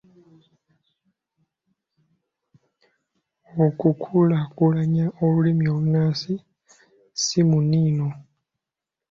Okukulaakulanya olulimi olunnansi si muniino.